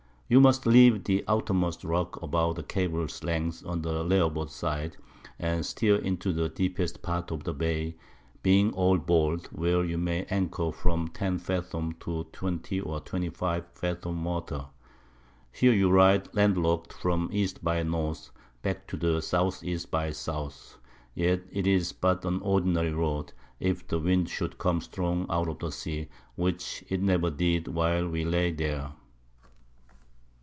You must leave the outermost Rock about a Cable's Length on the Larboard side, and steer into the deepest part of the Bay, being all bold, where you may anchor from 10 Fathom to 20 or 25 Fathom Water. Here you ride land lockt from E. by N. back to the S. E. by S. yet it is but an ordinary Road, if the Wind should come strong out of the Sea, which it never did while we lay there.